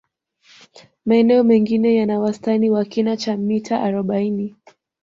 maeneo mengi yana wastani wa kina cha mita arobaini